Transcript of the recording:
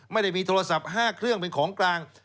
ไม่ได้มีโทรศัพท์๕เครื่องเป็นของกลาง